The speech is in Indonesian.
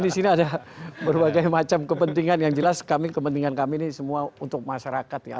di sini ada berbagai macam kepentingan yang jelas kami kepentingan kami ini semua untuk masyarakat ya